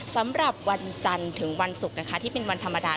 สำหรับวันจันทร์ถึงวันศุกร์นะคะที่เป็นวันธรรมดา